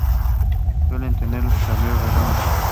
Suelen tener el tablero redondo.